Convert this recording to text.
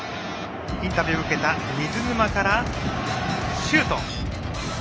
インタビューを受けた水沼からシュート。